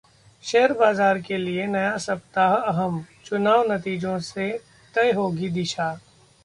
share बाजार के लिए नया सप्ताह अहम, चुनाव नतीजों से तय होगी दिशा